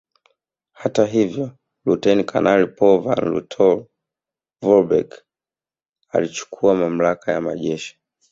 Hata hivyo Luteni Kanali Paul von Lettow Vorbeck alichukua mamlaka ya majeshi